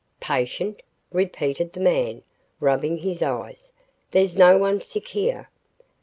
"Patient?" repeated the man, rubbing his eyes. "There's no one sick here."